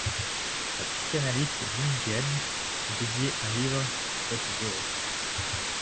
La psychanalyste jungienne a dédié un livre à cette déesse.